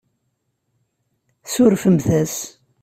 Surfemt-as.